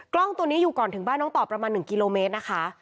กล้องตัวนี้อยู่ก่อนถึงบ้านน้องต่อประมาณ๑กิโลเมตรนะคะ